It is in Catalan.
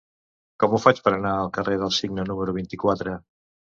Com ho faig per anar al carrer del Cigne número vint-i-quatre?